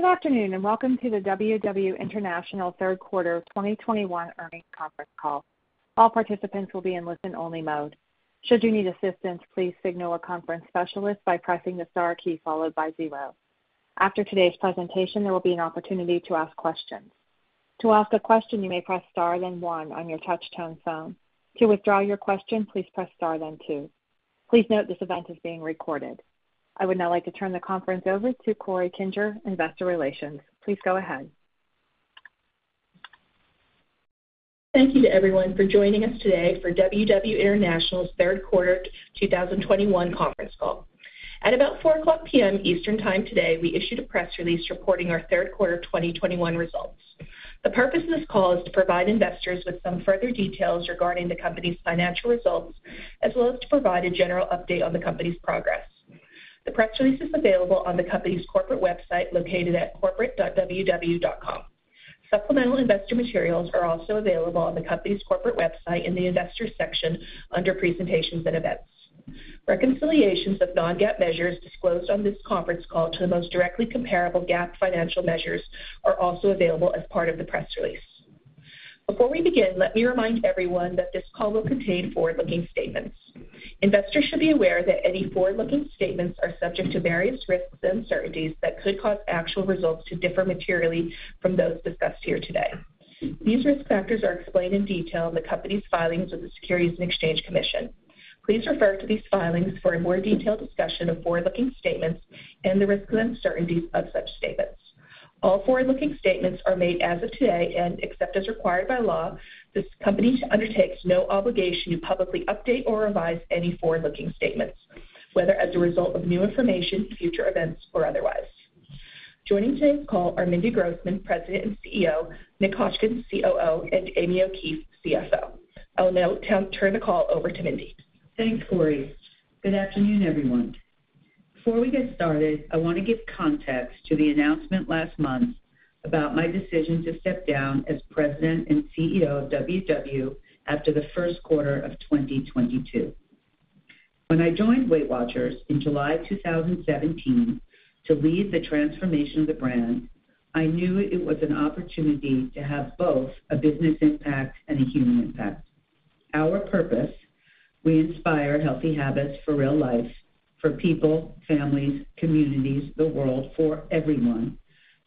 Good afternoon, and welcome to the WW International Q3 2021 earnings conference call. All participants will be in listen-only mode. Should you need assistance, please signal a conference specialist by pressing the star key followed by zero. After today's presentation, there will be an opportunity to ask questions. To ask a question, you may press star, then one on your touchtone phone. To withdraw your question, please press star, then two. Please note this event is being recorded. I would now like to turn the conference over to Corey Kinger, Investor Relations. Please go ahead. Thank you to everyone for joining us today for WW International's Q3 2021 conference call. At about 4:00 P.M. Eastern Time today, we issued a press release reporting our Q3 2021 results. The purpose of this call is to provide investors with some further details regarding the company's financial results, as well as to provide a general update on the company's progress. The press release is available on the company's corporate website, located at corporate.ww.com. Supplemental investor materials are also available on the company's corporate website in the Investors section under Presentations and Events. Reconciliations of non-GAAP measures disclosed on this conference call to the most directly comparable GAAP financial measures are also available as part of the press release. Before we begin, let me remind everyone that this call will contain forward-looking statements. Investors should be aware that any forward-looking statements are subject to various risks and uncertainties that could cause actual results to differ materially from those discussed here today. These risk factors are explained in detail in the company's filings with the Securities and Exchange Commission. Please refer to these filings for a more detailed discussion of forward-looking statements and the risks and uncertainties of such statements. All forward-looking statements are made as of today, and except as required by law, this company undertakes no obligation to publicly update or revise any forward-looking statements, whether as a result of new information, future events, or otherwise. Joining today's call are Mindy Grossman, President and CEO; Nick Hotchkin, COO; and Amy O'Keefe, CFO. I will now turn the call over to Mindy. Thanks, Corey. Good afternoon, everyone. Before we get started, I want to give context to the announcement last month about my decision to step down as President and CEO of WW after the Q1 of 2022. When I joined Weight Watchers in July 2017 to lead the transformation of the brand, I knew it was an opportunity to have both a business impact and a human impact. Our purpose, reinspire healthy habits for real life for people, families, communities, the world, for everyone,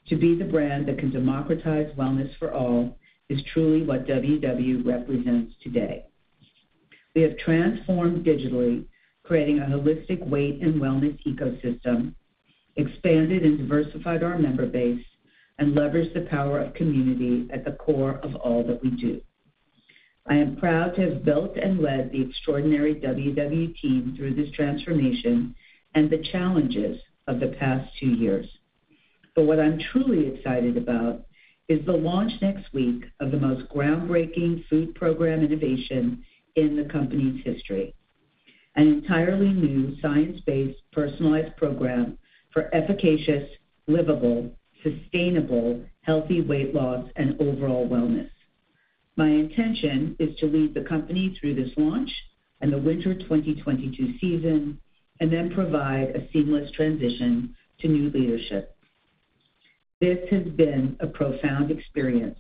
to be the brand that can democratize wellness for all, is truly what WW represents today. We have transformed digitally, creating a holistic weight and wellness ecosystem, expanded and diversified our member base, and leveraged the power of community at the core of all that we do. I am proud to have built and led the extraordinary WW team through this transformation and the challenges of the past two years. What I'm truly excited about is the launch next week of the most groundbreaking food program innovation in the company's history, an entirely new science-based, personalized program for efficacious, livable, sustainable, healthy weight loss and overall wellness. My intention is to lead the company through this launch and the winter 2022 season, and then provide a seamless transition to new leadership. This has been a profound experience,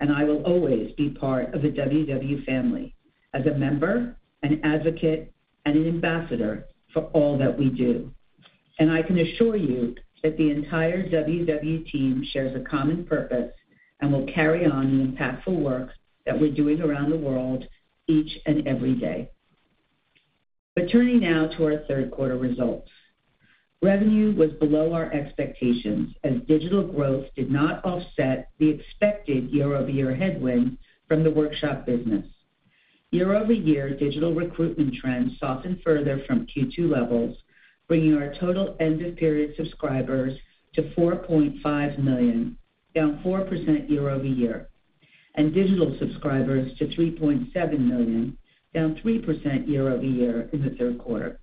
and I will always be part of the WW family as a member, an advocate, and an ambassador for all that we do. I can assure you that the entire WW team shares a common purpose and will carry on the impactful work that we're doing around the world each and every day. Turning now to our Q3 results. Revenue was below our expectations as digital growth did not offset the expected year-over-year headwind from the workshop business. Year-over-year, digital recruitment trends softened further from Q2 levels, bringing our total end-of-period subscribers to 4.5 million, down 4% year-over-year, and digital subscribers to 3.7 million, down 3% year-over-year in the Q3.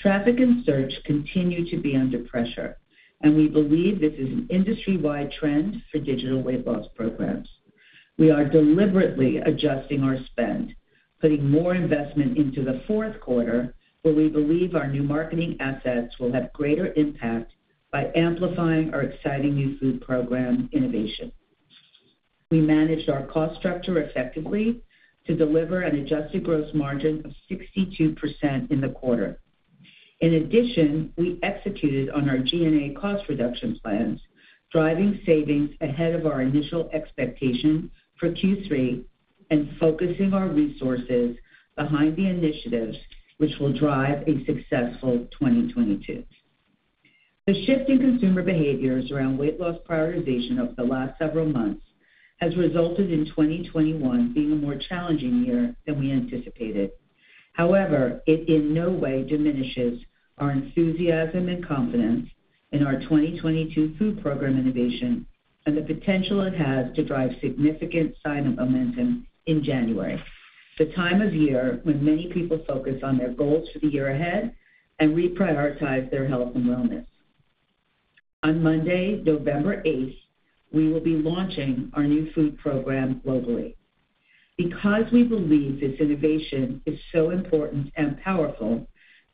Traffic and search continue to be under pressure, and we believe this is an industry-wide trend for digital weight loss programs. We are deliberately adjusting our spend, putting more investment into the Q4, where we believe our new marketing assets will have greater impact by amplifying our exciting new food program innovation. We managed our cost structure effectively to deliver an adjusted gross margin of 62% in the quarter. In addition, we executed on our G&A cost reduction plans, driving savings ahead of our initial expectation for Q3 and focusing our resources behind the initiatives which will drive a successful 2022. The shift in consumer behaviors around weight loss prioritization over the last several months has resulted in 2021 being a more challenging year than we anticipated. However, it in no way diminishes our enthusiasm and confidence in our 2022 food program innovation and the potential it has to drive significant sign-up momentum in January, the time of year when many people focus on their goals for the year ahead and reprioritize their health and wellness. On Monday, November eighth, we will be launching our new food program globally. Because we believe this innovation is so important and powerful,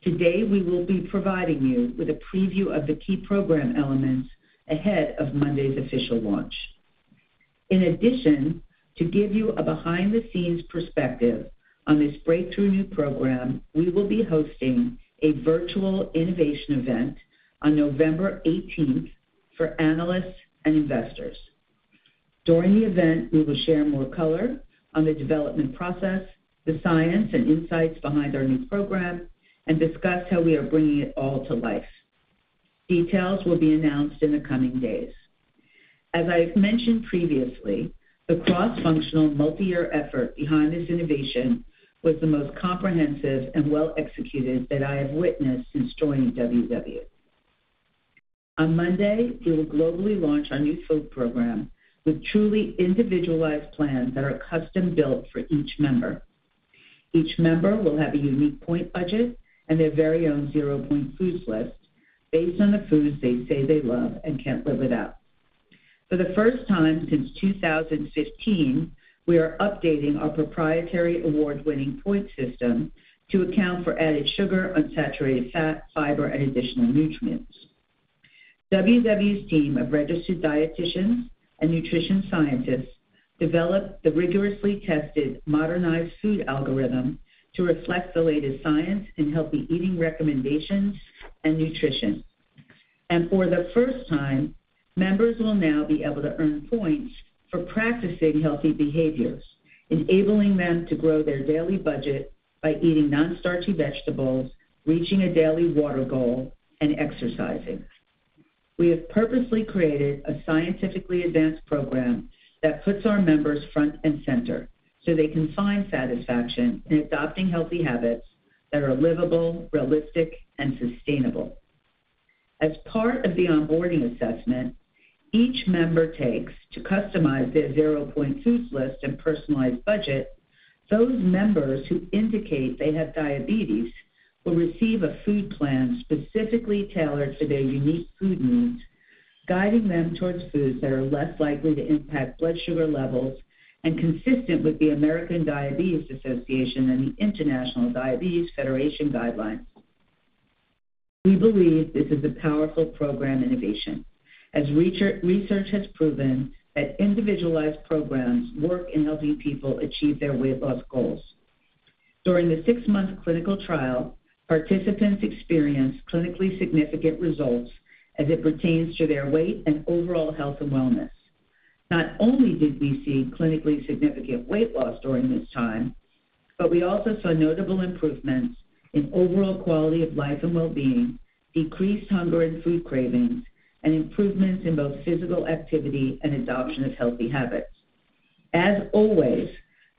today, we will be providing you with a preview of the key program elements ahead of Monday's official launch. In addition, to give you a behind-the-scenes perspective on this breakthrough new program, we will be hosting a virtual innovation event on November eighteenth for analysts and investors. During the event, we will share more color on the development process, the science and insights behind our new program, and discuss how we are bringing it all to life. Details will be announced in the coming days. As I've mentioned previously, the cross-functional multi-year effort behind this innovation was the most comprehensive and well-executed that I have witnessed since joining WW. On Monday, we will globally launch our new food program with truly individualized plans that are custom-built for each member. Each member will have a unique point budget and their very own ZeroPoint foods list based on the foods they say they love and can't live without. For the first time since 2015, we are updating our proprietary award-winning point system to account for added sugar, unsaturated fat, fiber, and additional nutrients. WW's team of registered dieticians and nutrition scientists developed the rigorously tested modernized food algorithm to reflect the latest science in healthy eating recommendations and nutrition. For the first time, members will now be able to earn points for practicing healthy behaviors, enabling them to grow their daily budget by eating non-starchy vegetables, reaching a daily water goal, and exercising. We have purposely created a scientifically advanced program that puts our members front and center, so they can find satisfaction in adopting healthy habits that are livable, realistic, and sustainable. As part of the onboarding assessment, each member takes a quiz to customize their ZeroPoint foods list and personalized budget, those members who indicate they have diabetes will receive a food plan specifically tailored to their unique food needs, guiding them towards foods that are less likely to impact blood sugar levels and consistent with the American Diabetes Association and the International Diabetes Federation guidelines. We believe this is a powerful program innovation, as research has proven that individualized programs work in helping people achieve their weight loss goals. During the six-month clinical trial, participants experienced clinically significant results as it pertains to their weight and overall health and wellness. Not only did we see clinically significant weight loss during this time, but we also saw notable improvements in overall quality of life and well-being, decreased hunger and food cravings, and improvements in both physical activity and adoption of healthy habits.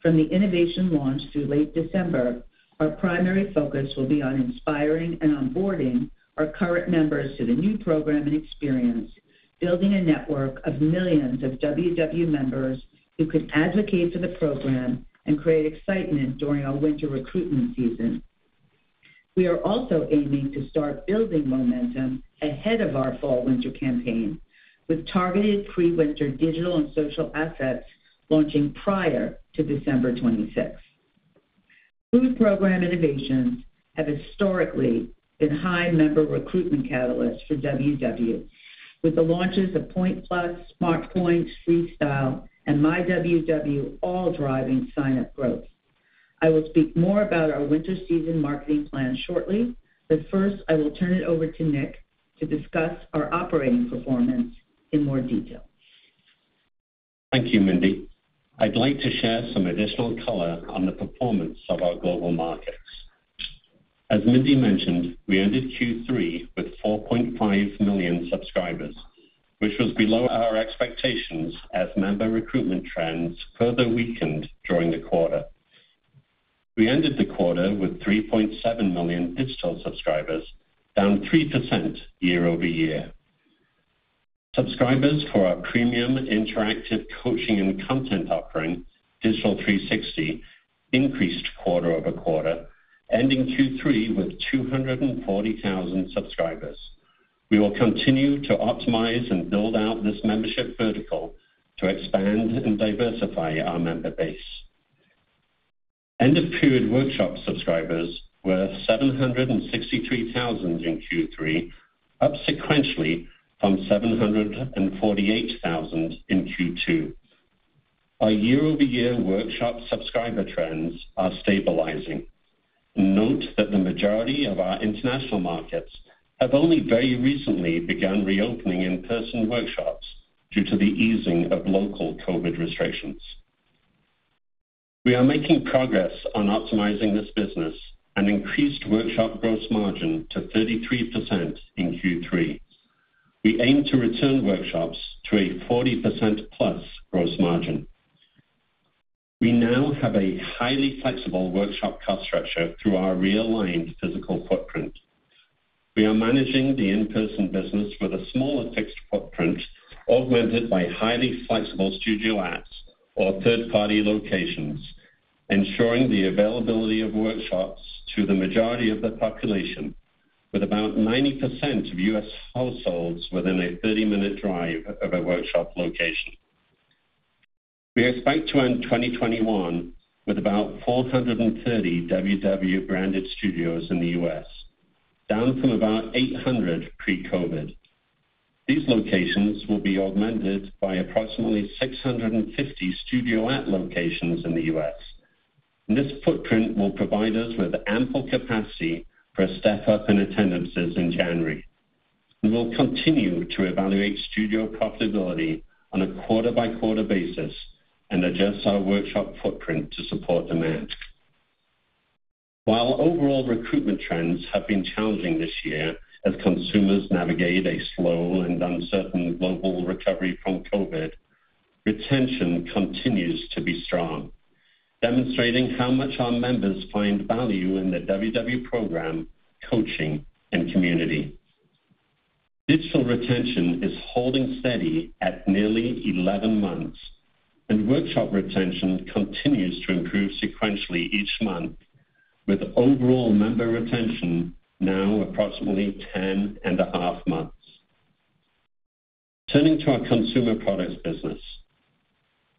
From the innovation launch through late December, our primary focus will be on inspiring and onboarding our current members to the new program and experience, building a network of millions of WW members who can advocate for the program and create excitement during our winter recruitment season. We are also aiming to start building momentum ahead of our fall/winter campaign, with targeted pre-winter digital and social assets launching prior to December twenty-sixth. Food program innovations have historically been high member recruitment catalysts for WW, with the launches of PointsPlus, SmartPoints, Freestyle, and myWW all driving sign-up growth. I will speak more about our winter season marketing plan shortly, but first, I will turn it over to Nick to discuss our operating performance in more detail. Thank you, Mindy. I'd like to share some additional color on the performance of our global markets. As Mindy mentioned, we ended Q3 with 4.5 million subscribers, which was below our expectations as member recruitment trends further weakened during the quarter. We ended the quarter with 3.7 million digital subscribers, down 3% year-over-year. Subscribers for our premium interactive coaching and content offering, Digital 360, increased quarter-over-quarter, ending Q3 with 240,000 subscribers. We will continue to optimize and build out this membership vertical to expand and diversify our member base. End-of-period workshop subscribers were 763,000 in Q3, up sequentially from 748,000 in Q2. Our year-over-year workshop subscriber trends are stabilizing. Note that the majority of our international markets have only very recently begun reopening in-person workshops due to the easing of local COVID restrictions. We are making progress on optimizing this business, and increased workshop gross margin to 33% in Q3. We aim to return workshops to a 40%+ gross margin. We now have a highly flexible workshop cost structure through our realigned physical footprint. We are managing the in-person business with a smaller fixed footprint augmented by highly flexible studio Ats or third-party locations, ensuring the availability of workshops to the majority of the population. With about 90% of U.S. households within a 30-minute drive of a workshop location. We expect to end 2021 with about 430 WW branded studios in the U.S., down from about 800 pre-COVID. These locations will be augmented by approximately 650 Studio At locations in the U.S. This footprint will provide us with ample capacity for a step-up in attendances in January. We will continue to evaluate studio profitability on a quarter-by-quarter basis and adjust our workshop footprint to support demand. While overall recruitment trends have been challenging this year as consumers navigate a slow and uncertain global recovery from COVID, retention continues to be strong, demonstrating how much our members find value in the WW program, coaching, and community. Digital retention is holding steady at nearly 11 months, and workshop retention continues to improve sequentially each month, with overall member retention now approximately 10.5 months. Turning to our consumer products business.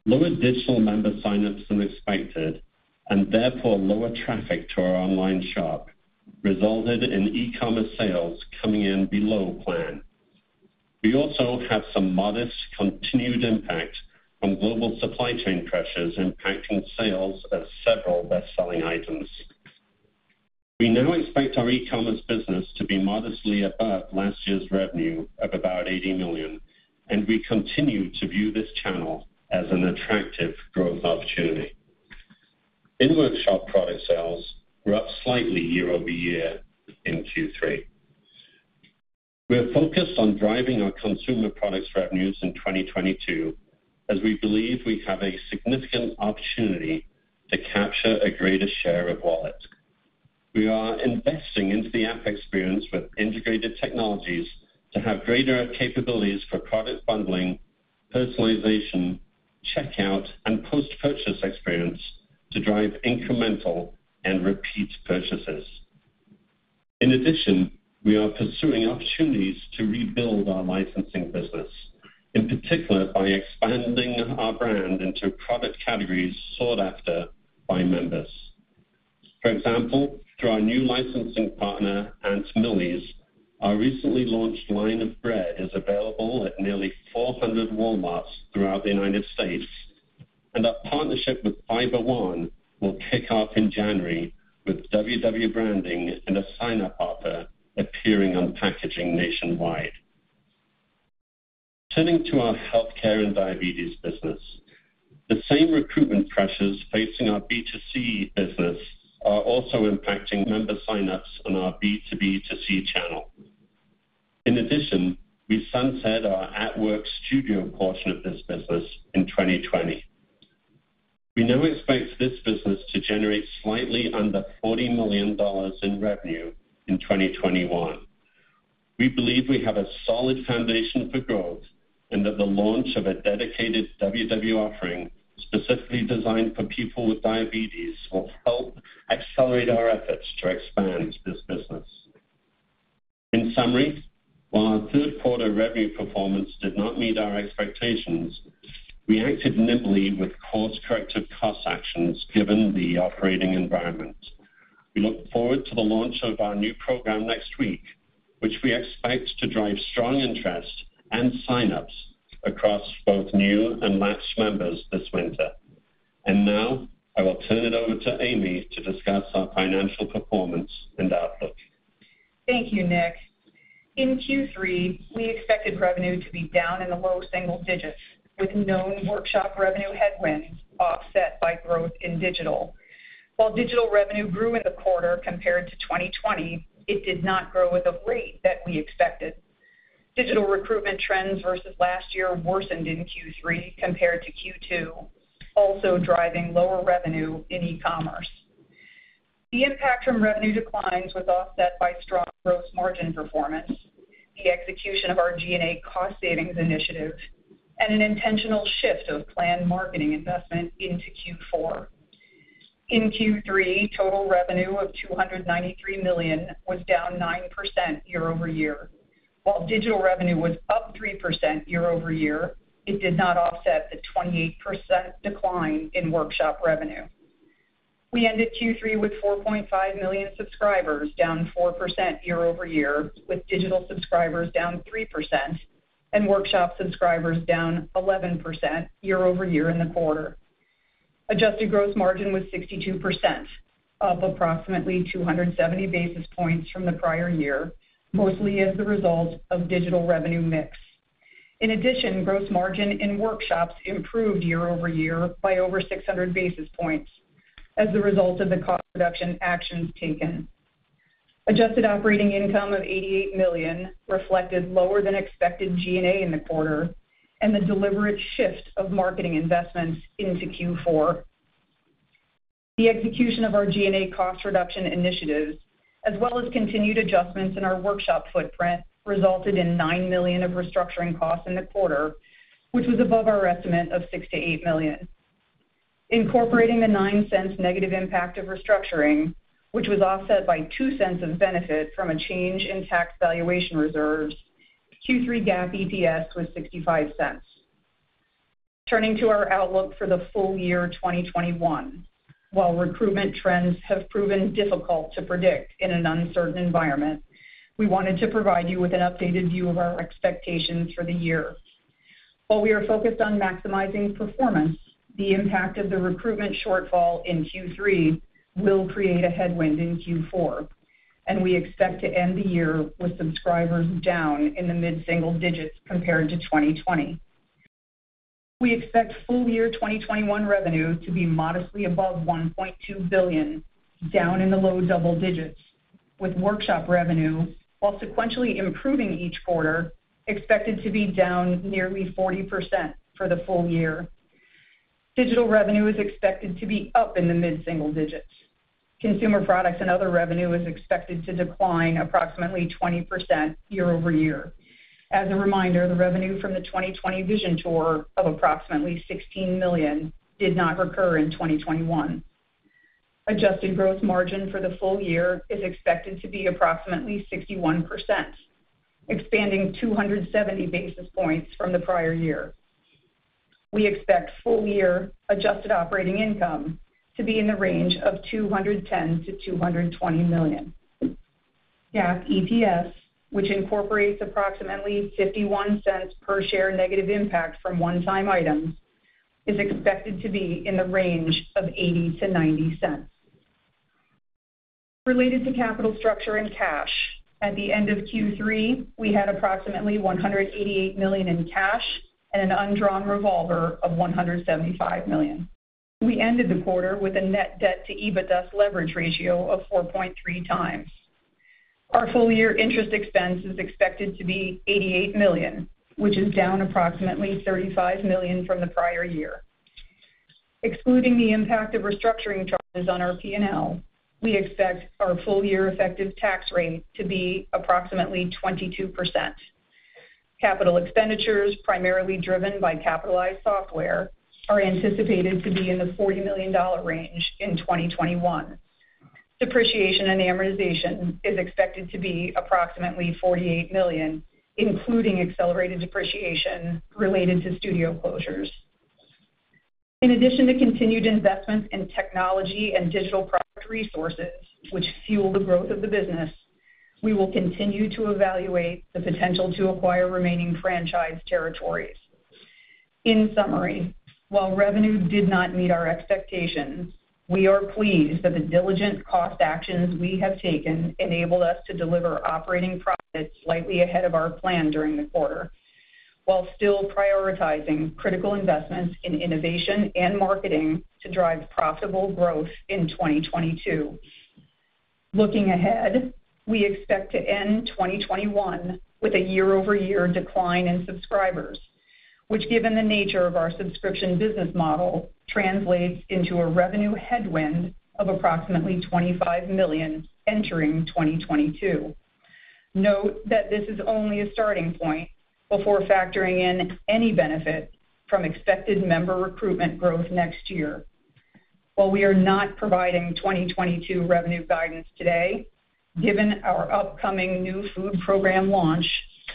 Lower digital member sign-ups than expected, and therefore, lower traffic to our online shop, resulted in e-commerce sales coming in below plan. We also have some modest continued impact from global supply chain pressures impacting sales of several best-selling items. We now expect our e-commerce business to be modestly above last year's revenue of about $80 million, and we continue to view this channel as an attractive growth opportunity. In-workshop product sales were up slightly year-over-year in Q3. We are focused on driving our consumer products revenues in 2022, as we believe we have a significant opportunity to capture a greater share of wallet. We are investing into the app experience with integrated technologies to have greater capabilities for product bundling, personalization, checkout, and post-purchase experience to drive incremental and repeat purchases. In addition, we are pursuing opportunities to rebuild our licensing business, in particular by expanding our brand into product categories sought after by members. For example, through our new licensing partner, Aunt Millie's, our recently launched line of bread is available at nearly 400 Walmarts throughout the United States, and our partnership with Fiber One will kick off in January, with WW branding and a sign-up offer appearing on packaging nationwide. Turning to our healthcare and diabetes business. The same recruitment pressures facing our B2C business are also impacting member sign-ups on our B2B2C channel. In addition, we sunset our At Work studio portion of this business in 2020. We now expect this business to generate slightly under $40 million in revenue in 2021. We believe we have a solid foundation for growth, and that the launch of a dedicated WW offering specifically designed for people with diabetes will help accelerate our efforts to expand this business. In summary, while our Q3 revenue performance did not meet our expectations, we acted nimbly with course corrective cost actions given the operating environment. We look forward to the launch of our new program next week, which we expect to drive strong interest and sign-ups across both new and lapsed members this winter. Now, I will turn it over to Amy to discuss our financial performance and outlook. Thank you, Nick. In Q3, we expected revenue to be down in the low single digits, with known workshop revenue headwinds offset by growth in digital. While digital revenue grew in the quarter compared to 2020, it did not grow at the rate that we expected. Digital recruitment trends versus last year worsened in Q3 compared to Q2, also driving lower revenue in e-commerce. The impact from revenue declines was offset by strong gross margin performance, the execution of our G&A cost savings initiatives, and an intentional shift of planned marketing investment into Q4. In Q3, total revenue of $293 million was down 9% year-over-year. While digital revenue was up 3% year-over-year, it did not offset the 28% decline in workshop revenue. We ended Q3 with 4.5 million subscribers, down 4% year-over-year, with digital subscribers down 3% and workshop subscribers down 11% year-over-year in the quarter. Adjusted gross margin was 62%, up approximately 270 basis points from the prior year, mostly as the result of digital revenue mix. In addition, gross margin in workshops improved year-over-year by over 600 basis points as the result of the cost reduction actions taken. Adjusted operating income of $88 million reflected lower than expected G&A in the quarter and the deliberate shift of marketing investments into Q4. The execution of our G&A cost reduction initiatives, as well as continued adjustments in our workshop footprint, resulted in $9 million of restructuring costs in the quarter, which was above our estimate of $6 million-$8 million. Incorporating the $0.09 negative impact of restructuring, which was offset by $0.02 of benefit from a change in tax valuation reserves, Q3 GAAP EPS was $0.65. Turning to our outlook for the full year, 2021. While recruitment trends have proven difficult to predict in an uncertain environment, we wanted to provide you with an updated view of our expectations for the year. While we are focused on maximizing performance, the impact of the recruitment shortfall in Q3 will create a headwind in Q4, and we expect to end the year with subscribers down in the mid-single digits compared to 2020. We expect full year 2021 revenue to be modestly above $1.2 billion, down in the low double digits%, with workshop revenue, while sequentially improving each quarter, expected to be down nearly 40% for the full year. Digital revenue is expected to be up in the mid-single digits%. Consumer products and other revenue is expected to decline approximately 20% year-over-year. As a reminder, the revenue from the 2020 Vision Tour of approximately $16 million did not recur in 2021. Adjusted gross margin for the full year is expected to be approximately 61%, expanding 270 basis points from the prior year. We expect full year adjusted operating income to be in the range of $210 million-$220 million. GAAP EPS, which incorporates approximately $0.51 per share negative impact from one-time items, is expected to be in the range of $0.80-$0.90. Related to capital structure and cash, at the end of Q3, we had approximately $188 million in cash and an undrawn revolver of $175 million. We ended the quarter with a net debt to EBITDA leverage ratio of 4.3x. Our full year interest expense is expected to be $88 million, which is down approximately $35 million from the prior year. Excluding the impact of restructuring charges on our P&L, we expect our full year effective tax rate to be approximately 22%. Capital expenditures, primarily driven by capitalized software, are anticipated to be in the $40 million range in 2021. Depreciation and amortization is expected to be approximately $48 million, including accelerated depreciation related to studio closures. In addition to continued investments in technology and digital product resources, which fuel the growth of the business, we will continue to evaluate the potential to acquire remaining franchise territories. In summary, while revenue did not meet our expectations, we are pleased that the diligent cost actions we have taken enabled us to deliver operating profits slightly ahead of our plan during the quarter, while still prioritizing critical investments in innovation and marketing to drive profitable growth in 2022. Looking ahead, we expect to end 2021 with a year-over-year decline in subscribers, which, given the nature of our subscription business model, translates into a revenue headwind of approximately $25 million entering 2022. Note that this is only a starting point before factoring in any benefit from expected member recruitment growth next year. While we are not providing 2022 revenue guidance today, given our upcoming new food program launch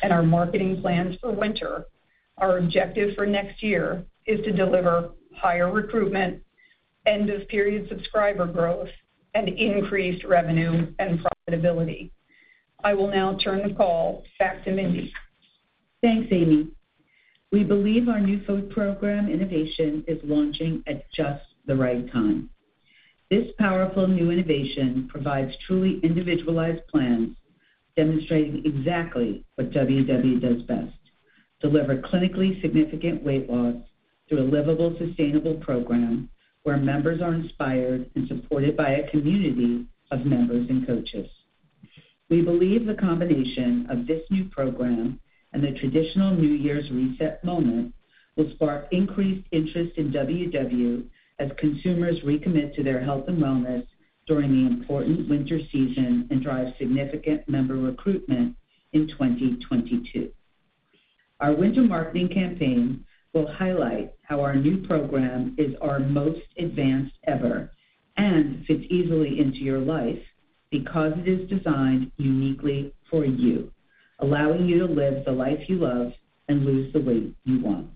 and our marketing plans for winter, our objective for next year is to deliver higher recruitment, end-of-period subscriber growth, and increased revenue and profitability. I will now turn the call back to Mindy. Thanks, Amy. We believe our new food program innovation is launching at just the right time. This powerful new innovation provides truly individualized plans, demonstrating exactly what WW does best, deliver clinically significant weight loss through a livable, sustainable program where members are inspired and supported by a community of members and coaches. We believe the combination of this new program and the traditional New Year's reset moment will spark increased interest in WW as consumers recommit to their health and wellness during the important winter season and drive significant member recruitment in 2022. Our winter marketing campaign will highlight how our new program is our most advanced ever and fits easily into your life because it is designed uniquely for you, allowing you to live the life you love and lose the weight you want.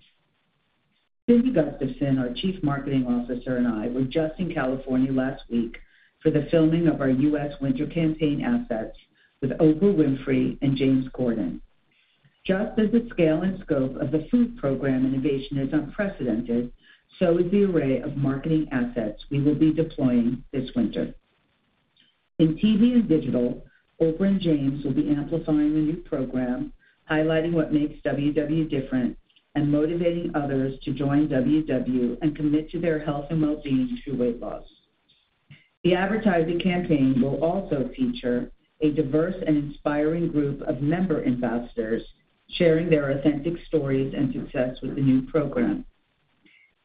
Cindy Gustafson, our Chief Marketing Officer, and I were just in California last week for the filming of our U.S. winter campaign assets with Oprah Winfrey and James Corden. Just as the scale and scope of the food program innovation is unprecedented, so is the array of marketing assets we will be deploying this winter. In TV and digital, Oprah and James will be amplifying the new program, highlighting what makes WW different, and motivating others to join WW and commit to their health and well-being through weight loss. The advertising campaign will also feature a diverse and inspiring group of member ambassadors sharing their authentic stories and success with the new program.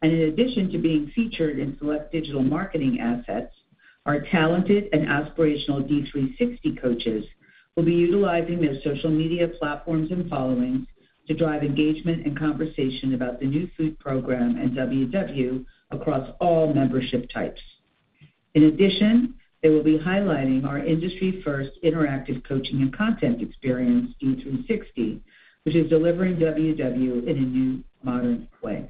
In addition to being featured in select digital marketing assets. Our talented and aspirational D360 coaches will be utilizing their social media platforms and followings to drive engagement and conversation about the new food program and WW across all membership types. In addition, they will be highlighting our industry-first interactive coaching and content experience, D360, which is delivering WW in a new, modern way.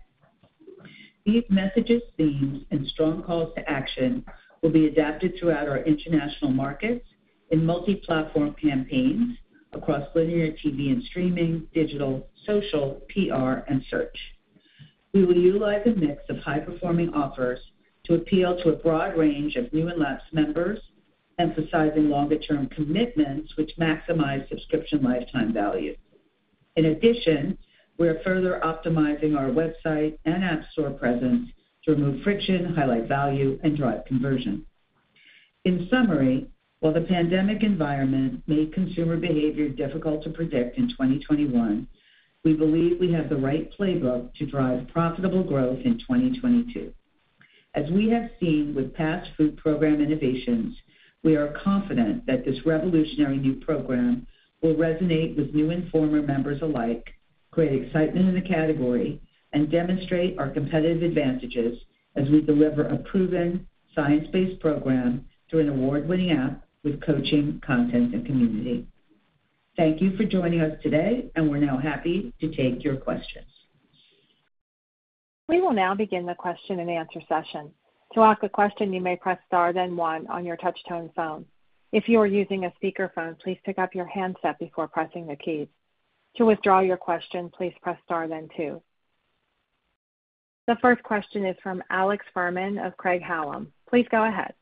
These messages, themes, and strong calls to action will be adapted throughout our international markets in multi-platform campaigns across linear TV and streaming, digital, social, PR, and search. We will utilize a mix of high-performing offers to appeal to a broad range of new and lapsed members, emphasizing longer-term commitments which maximize subscription lifetime value. In addition, we are further optimizing our website and app store presence to remove friction, highlight value, and drive conversion. In summary, while the pandemic environment made consumer behavior difficult to predict in 2021, we believe we have the right playbook to drive profitable growth in 2022. As we have seen with past food program innovations, we are confident that this revolutionary new program will resonate with new and former members alike, create excitement in the category, and demonstrate our competitive advantages as we deliver a proven science-based program through an award-winning app with coaching, content, and community. Thank you for joining us today, and we're now happy to take your questions. We will now begin the question and answer session. To ask a question, you may press star then one on your touch-tone phone. If you are using a speakerphone, please pick up your handset before pressing the keys. To withdraw your question, please press star then two. The first question is from Alex Fuhrman of Craig-Hallum. Please go ahead.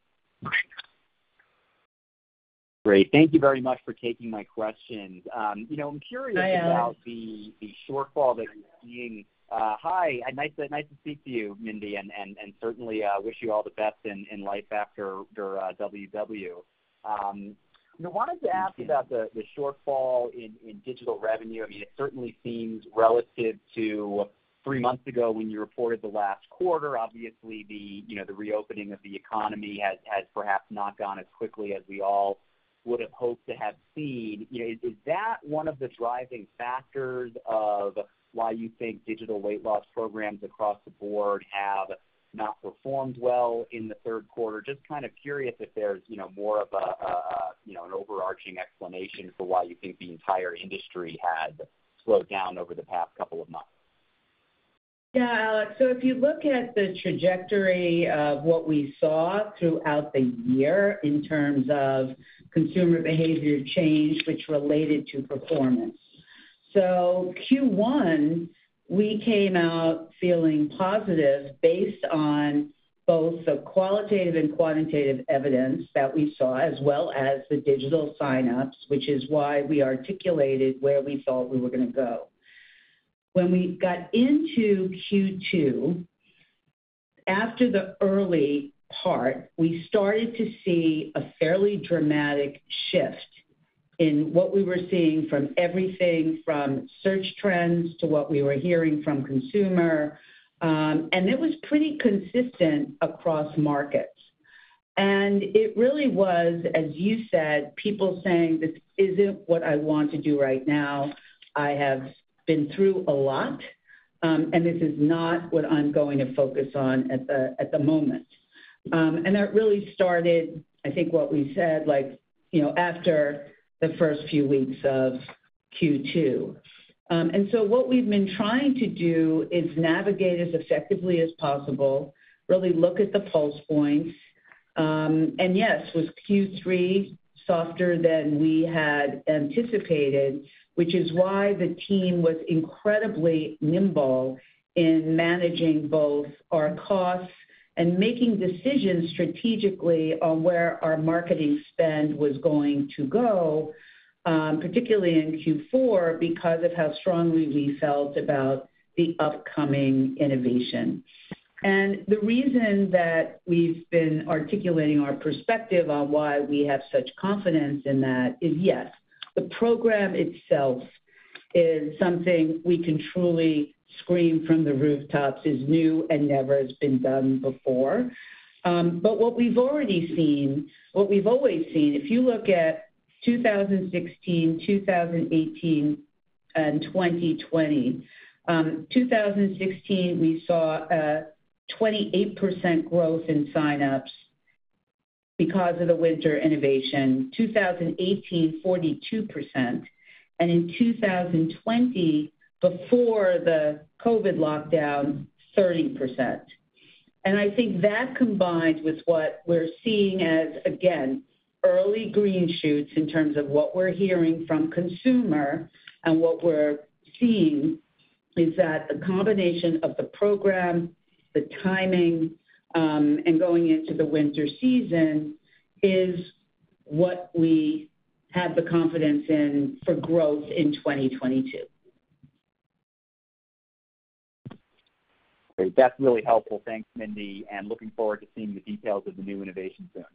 Great. Thank you very much for taking my questions. You know- Hi, Alex. I'm curious about the shortfall that you're seeing. Hi, nice to speak to you, Mindy, and certainly wish you all the best in life after WW. You know, wanted to ask you about the shortfall in digital revenue. I mean, it certainly seems relative to three months ago when you reported the last quarter. Obviously, you know, the reopening of the economy has perhaps not gone as quickly as we all would have hoped to have seen. You know, is that one of the driving factors of why you think digital weight loss programs across the board have not performed well in the Q3? Just kind of curious if there's, you know, more of a you know, an overarching explanation for why you think the entire industry has slowed down over the past couple of months. Yeah, Alex. If you look at the trajectory of what we saw throughout the year in terms of consumer behavior change which related to performance. Q1, we came out feeling positive based on both the qualitative and quantitative evidence that we saw, as well as the digital signups, which is why we articulated where we thought we were gonna go. When we got into Q2, after the early part, we started to see a fairly dramatic shift in what we were seeing from everything from search trends to what we were hearing from consumers, and it was pretty consistent across markets. It really was, as you said, people saying, "This isn't what I want to do right now. I have been through a lot, and this is not what I'm going to focus on at the moment." That really started, I think, what we said, like, you know, after the first few weeks of Q2. What we've been trying to do is navigate as effectively as possible, really look at the pulse points. Yes, Q3 was softer than we had anticipated, which is why the team was incredibly nimble in managing both our costs and making decisions strategically on where our marketing spend was going to go, particularly in Q4, because of how strongly we felt about the upcoming innovation. The reason that we've been articulating our perspective on why we have such confidence in that is, yes, the program itself is something we can truly scream from the rooftops is new and never has been done before. But what we've already seen, what we've always seen, if you look at 2016, 2018, and 2020. 2016, we saw a 28% growth in signups because of the winter innovation. 2018, 42%. In 2020, before the COVID lockdown, 30%. I think that combined with what we're seeing as, again, early green shoots in terms of what we're hearing from consumer and what we're seeing, is that the combination of the program, the timing, and going into the winter season is what we have the confidence in for growth in 2022. Great. That's really helpful. Thanks, Mindy, and looking forward to seeing the details of the new innovation soon.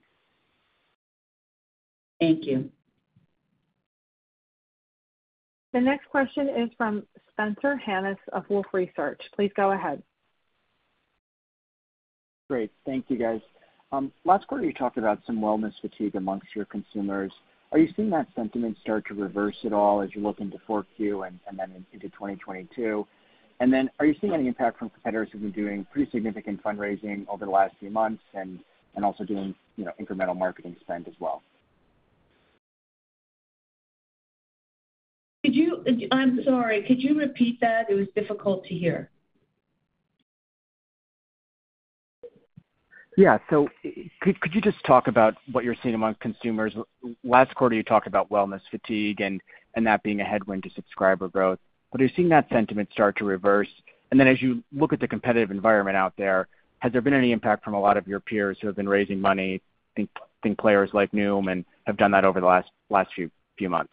Thank you. The next question is from Spencer Hanus of Wolfe Research. Please go ahead. Great. Thank you, guys. Last quarter, you talked about some wellness fatigue among your consumers. Are you seeing that sentiment start to reverse at all as you look into fourth Q and then into 2022? Are you seeing any impact from competitors who've been doing pretty significant fundraising over the last few months and also doing, you know, incremental marketing spend as well? I'm sorry, could you repeat that? It was difficult to hear. Yeah. Could you just talk about what you're seeing among consumers? Last quarter, you talked about wellness fatigue and that being a headwind to subscriber growth. Are you seeing that sentiment start to reverse? As you look at the competitive environment out there, has there been any impact from a lot of your peers who have been raising money? Think players like Noom and have done that over the last few months.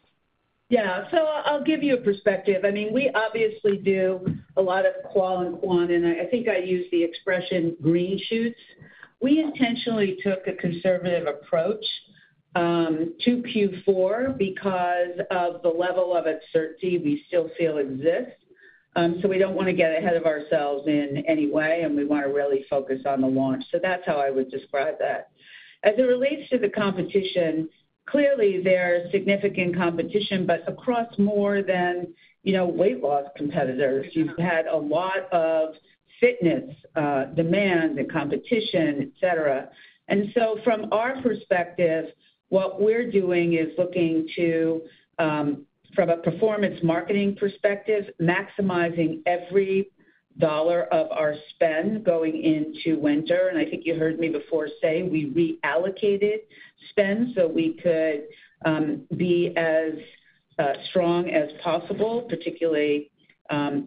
Yeah. I'll give you a perspective. I mean, we obviously do a lot of qual and quant, and I think I use the expression green shoots. We intentionally took a conservative approach to Q4 because of the level of uncertainty we still feel exists. We don't wanna get ahead of ourselves in any way, and we wanna really focus on the launch. That's how I would describe that. As it relates to the competition, clearly there's significant competition, but across more than, you know, weight loss competitors. You've had a lot of fitness demand and competition, et cetera. From our perspective, what we're doing is looking to, from a performance marketing perspective, maximizing every dollar of our spend going into winter. I think you heard me before say we reallocated spend so we could be as strong as possible, particularly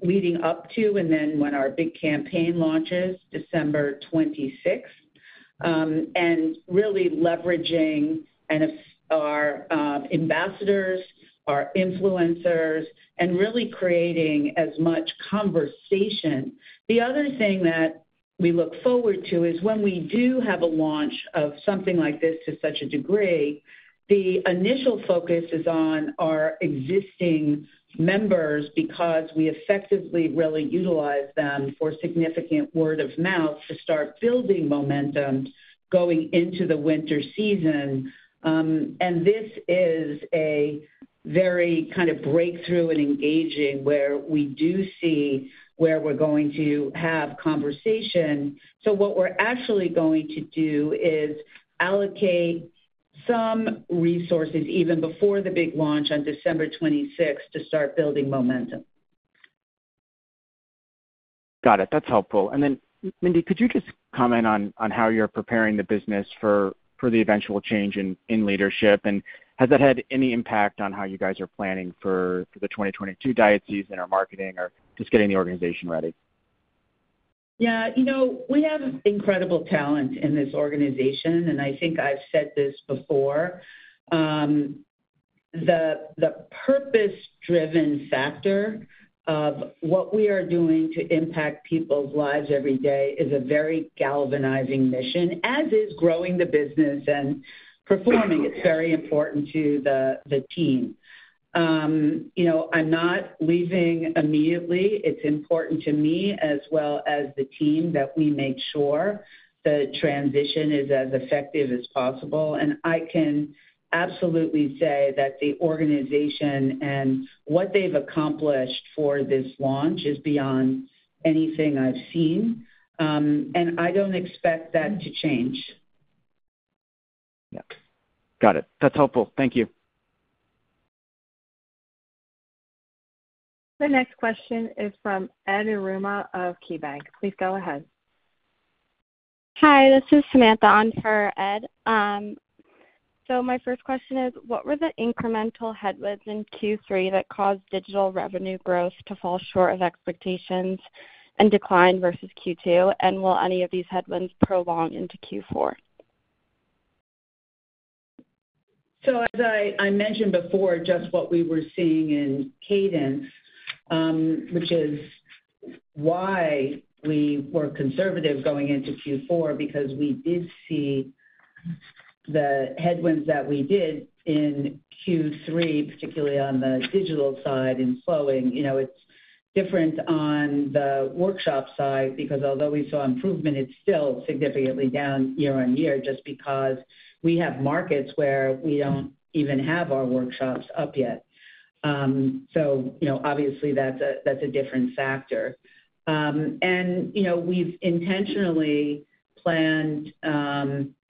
leading up to and then when our big campaign launches December 26th, and really leveraging and it's our ambassadors, our influencers, and really creating as much conversation. The other thing that we look forward to is when we do have a launch of something like this to such a degree, the initial focus is on our existing members because we effectively really utilize them for significant word of mouth to start building momentum going into the winter season. This is a very kind of breakthrough and engaging where we do see where we're going to have conversation. What we're actually going to do is allocate some resources even before the big launch on December 26th to start building momentum. Got it. That's helpful. Mindy, could you just comment on how you're preparing the business for the eventual change in leadership? Has it had any impact on how you guys are planning for the 2022 diet season or marketing or just getting the organization ready? Yeah. You know, we have incredible talent in this organization, and I think I've said this before. The purpose-driven factor of what we are doing to impact people's lives every day is a very galvanizing mission, as is growing the business and performing. It's very important to the team. You know, I'm not leaving immediately. It's important to me as well as the team that we make sure the transition is as effective as possible. I can absolutely say that the organization and what they've accomplished for this launch is beyond anything I've seen, and I don't expect that to change. Yes. Got it. That's helpful. Thank you. The next question is from Ed Yruma of KeyBanc. Please go ahead. Hi, this is Samantha on for Ed. My first question is, what were the incremental headwinds in Q3 that caused digital revenue growth to fall short of expectations and decline versus Q2? Will any of these headwinds prolong into Q4? As I mentioned before, just what we were seeing in cadence, which is why we were conservative going into Q4 because we did see the headwinds that we did in Q3, particularly on the digital side in slowing. You know, it's different on the workshop side because although we saw improvement, it's still significantly down year-over-year just because we have markets where we don't even have our workshops up yet. You know, obviously that's a different factor. You know, we've intentionally planned.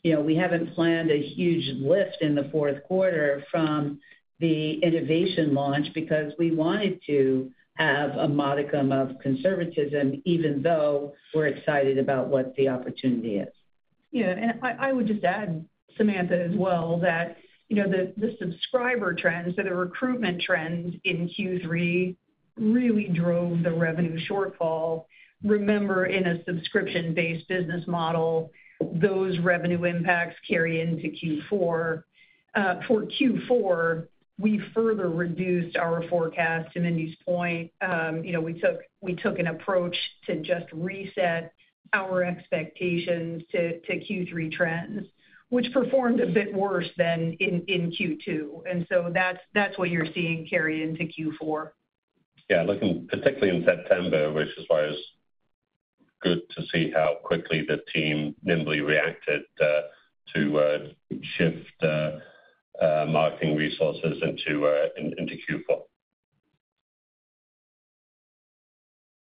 You know, we haven't planned a huge lift in the Q4 from the innovation launch because we wanted to have a modicum of conservatism even though we're excited about what the opportunity is. Yeah. I would just add, Samantha, as well that, you know, the subscriber trends or the recruitment trends in Q3 really drove the revenue shortfall. Remember, in a subscription-based business model, those revenue impacts carry into Q4. For Q4, we further reduced our forecast. To Mindy's point, you know, we took an approach to just reset our expectations to Q3 trends, which performed a bit worse than in Q2. That's what you're seeing carry into Q4. Yeah. Looking particularly in September, which as far as Good to see how quickly the team nimbly reacted to shift marketing resources into Q4.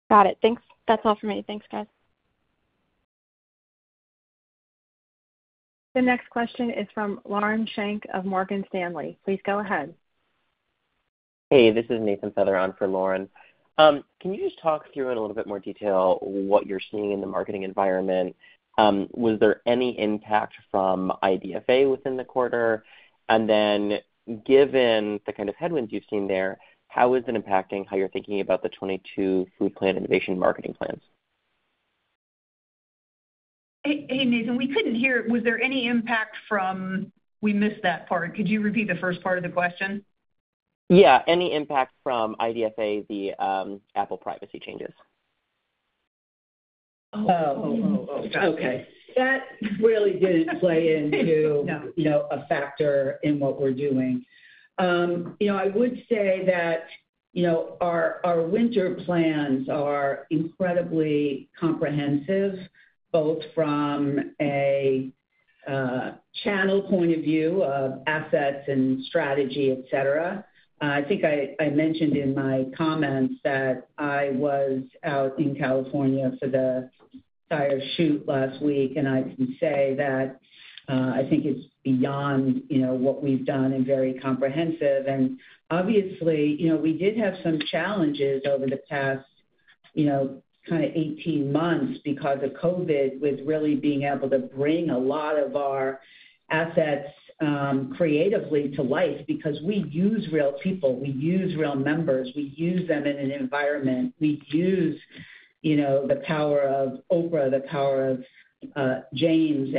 Got it. Thanks. That's all for me. Thanks, guys. The next question is from Lauren Schenk of Morgan Stanley. Please go ahead. Hey, this is Nathan Feather on for Lauren. Can you just talk through in a little bit more detail what you're seeing in the marketing environment? Was there any impact from IDFA within the quarter? Given the kind of headwinds you've seen there, how is it impacting how you're thinking about the 2022 food plan innovation marketing plans? Hey, Nathan. We couldn't hear, was there any impact from. We missed that part. Could you repeat the first part of the question? Yeah. Any impact from IDFA, the Apple privacy changes? No, you know, a factor in what we're doing. You know, I would say that, you know, our winter plans are incredibly comprehensive, both from a channel point of view of assets and strategy, et cetera. I think I mentioned in my comments that I was out in California for the entire shoot last week, and I can say that I think it's beyond, you know, what we've done and very comprehensive. Obviously, you know, we did have some challenges over the past, you know, kinda 18 months because of COVID with really being able to bring a lot of our assets creatively to life because we use real people, we use real members, we use them in an environment. We use, you know, the power of Oprah, the power of James.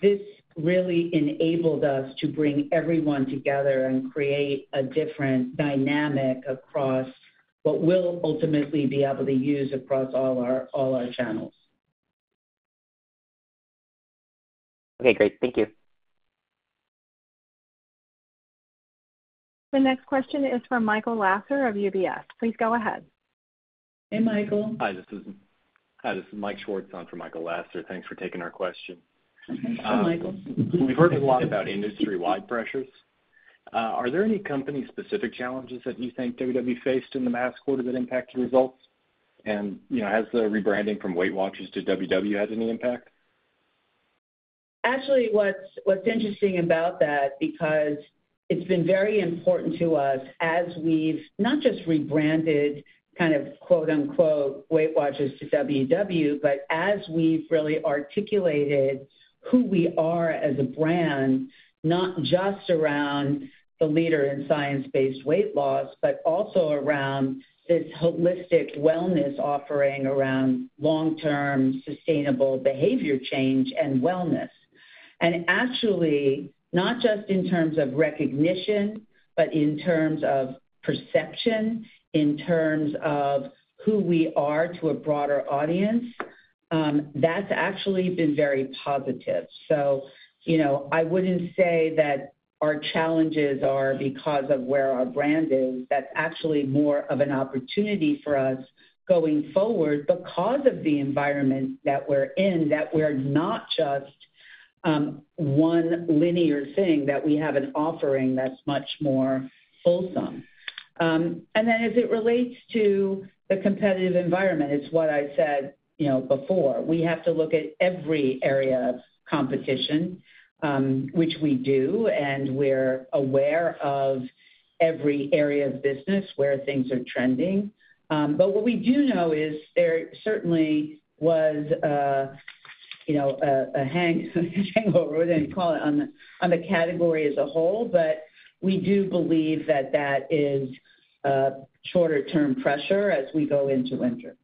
This really enabled us to bring everyone together and create a different dynamic across what we'll ultimately be able to use across all our channels. Okay, great. Thank you. The next question is from Michael Lasser of UBS. Please go ahead. Hey, Michael. Hi, this is Mike Schwartz on for Michael Lasser. Thanks for taking our question. Sure, Michael. We've heard a lot about industry-wide pressures. Are there any company-specific challenges that you think WW faced in the last quarter that impacted results? You know, has the rebranding from Weight Watchers to WW had any impact? Actually, what's interesting about that because it's been very important to us as we've not just rebranded kind of quote-unquote Weight Watchers to WW, but as we've really articulated who we are as a brand, not just around the leader in science-based weight loss, but also around this holistic wellness offering around long-term sustainable behavior change and wellness. Actually, not just in terms of recognition, but in terms of perception, in terms of who we are to a broader audience, that's actually been very positive. You know, I wouldn't say that our challenges are because of where our brand is. That's actually more of an opportunity for us going forward because of the environment that we're in, that we're not just one linear thing, that we have an offering that's much more wholesome. As it relates to the competitive environment, it's what I said, you know, before. We have to look at every area of competition, which we do, and we're aware of every area of business where things are trending. But what we do know is there certainly was, you know, a hangover, whatever you call it, on the category as a whole, but we do believe that that is a shorter-term pressure as we go into winter.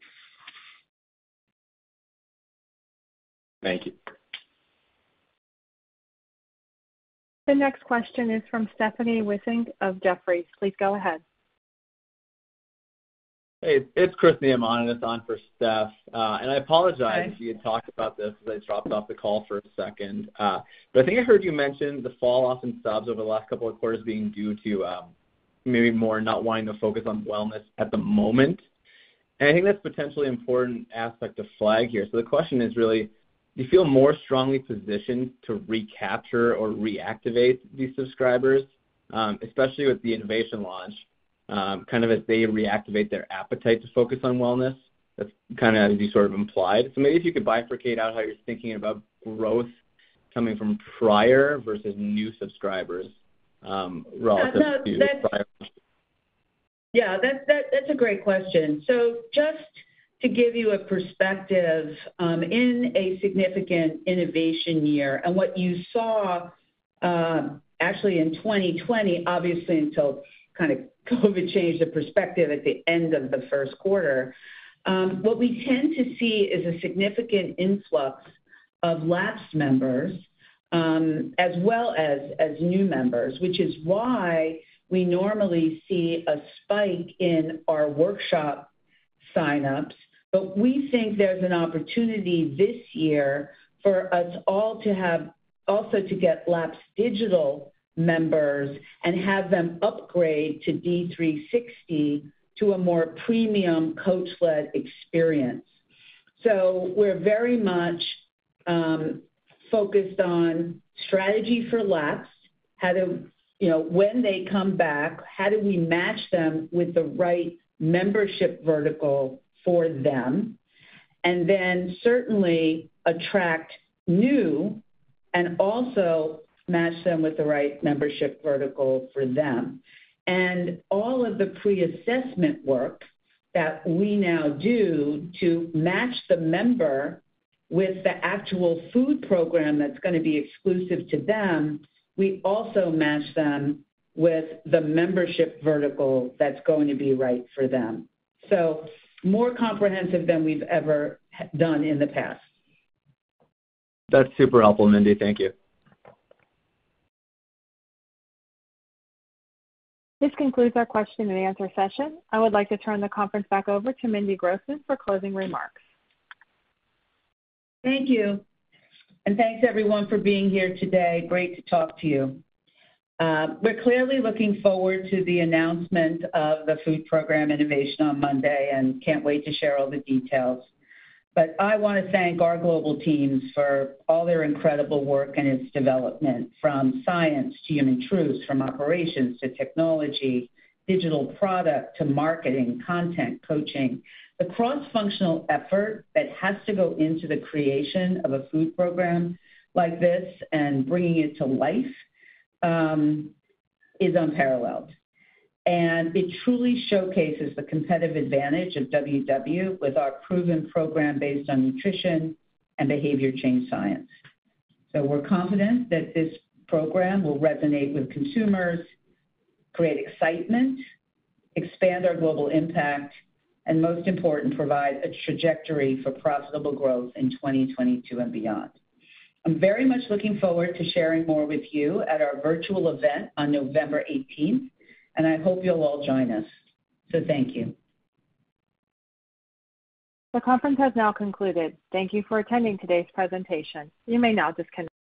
Thank you. The next question is from Stephanie Wissink of Jefferies. Please go ahead. Hey, it's Chris Mandeville on for Steph. I apologize. Hi... if you had talked about this 'cause I dropped off the call for a second. But I think I heard you mention the fall-off in subs over the last couple of quarters being due to maybe more not wanting to focus on wellness at the moment. I think that's a potentially important aspect to flag here. The question is really, do you feel more strongly positioned to recapture or reactivate these subscribers, especially with the innovation launch, kind of as they reactivate their appetite to focus on wellness? That's kinda as you sort of implied. Maybe if you could bifurcate out how you're thinking about growth coming from prior versus new subscribers, No, that's. relative to prior Yeah, that's a great question. Just to give you a perspective, in a significant innovation year, and what you saw, actually in 2020, obviously until kinda COVID changed the perspective at the end of the Q1, what we tend to see is a significant influx of lapsed members, as well as new members, which is why we normally see a spike in our workshop sign-ups. We think there's an opportunity this year for us all also to get lapsed digital members and have them upgrade to D360 to a more premium coach-led experience. We're very much focused on strategy for lapsed. How to, you know, when they come back, how do we match them with the right membership vertical for them? Then certainly attract new and also match them with the right membership vertical for them. All of the pre-assessment work that we now do to match the member with the actual food program that's gonna be exclusive to them, we also match them with the membership vertical that's going to be right for them. More comprehensive than we've ever done in the past. That's super helpful, Mindy. Thank you. This concludes our question and answer session. I would like to turn the conference back over to Mindy Grossman for closing remarks. Thank you. Thanks everyone for being here today. Great to talk to you. We're clearly looking forward to the announcement of the food program innovation on Monday and can't wait to share all the details. I wanna thank our global teams for all their incredible work and its development from science to human truths, from operations to technology, digital product to marketing, content, coaching. The cross-functional effort that has to go into the creation of a food program like this and bringing it to life is unparalleled. It truly showcases the competitive advantage of WW with our proven program based on nutrition and behavior change science. We're confident that this program will resonate with consumers, create excitement, expand our global impact, and most important, provide a trajectory for profitable growth in 2022 and beyond. I'm very much looking forward to sharing more with you at our virtual event on November eighteenth, and I hope you'll all join us. Thank you. The conference has now concluded. Thank you for attending today's presentation. You may now disconnect.